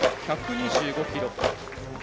１２５キロ。